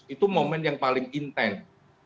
itu momen yang paling intent